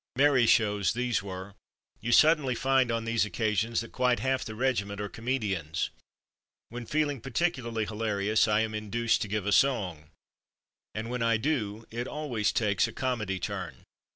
Merry shows these were. You suddenly find on these occasions that quite half the regiment are comedians. When feeling particularly hilarious, I am ''induced to give a song," and when I do it always takes a comedy turn.